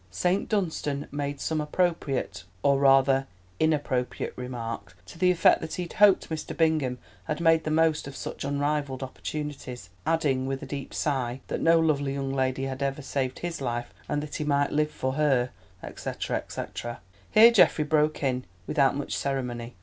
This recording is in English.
Saint Dunstan made some appropriate—or, rather inappropriate—remark to the effect that he hoped Mr. Bingham had made the most of such unrivalled opportunities, adding, with a deep sigh, that no lovely young lady had ever saved his life that he might live for her, &c., &c. Here Geoffrey broke in without much ceremony.